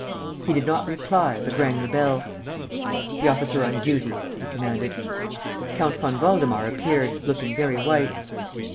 He did not reply, but rang the bell: "The officer on duty," he commanded. Count von Waldemar appeared, looking very white.